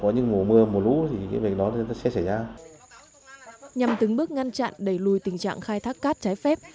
nhằm từng bước ngăn chặn đẩy lùi tình trạng khai thác cát trái phép